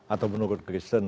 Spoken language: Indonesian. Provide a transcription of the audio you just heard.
atau menurut kristen